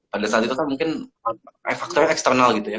pada saat itu kan mungkin faktornya eksternal gitu ya